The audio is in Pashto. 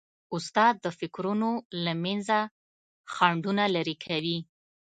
استاد د فکرونو له منځه خنډونه لیري کوي.